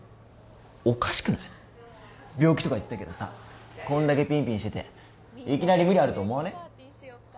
病気とか言ってたけどさこんだけぴんぴんしてていきなり無理あると思わね？